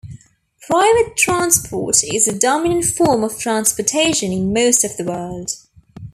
Private transport is the dominant form of transportation in most of the world.